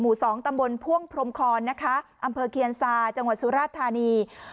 สองตำบลพ่วงพรมคอนนะคะอำเภอเคียนซาจังหวัดสุราชธานี